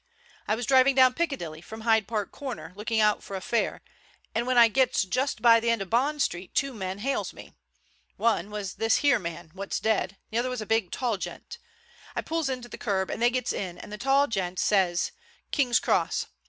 "I was driving down Piccadilly from Hyde Park Corner looking out for a fare, and when I gets just by the end of Bond Street two men hails me. One was this here man what's dead, the other was a big, tall gent. I pulls in to the curb, and they gets in, and the tall gent he says 'King's Cross.